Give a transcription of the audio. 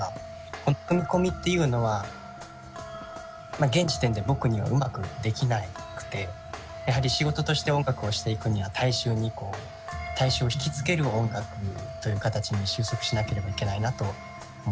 この組み込みっていうのは現時点で僕にはうまくできなくてやはり仕事として音楽をしていくには大衆にこう大衆をひきつける音楽という形に収束しなければいけないなと思ってて。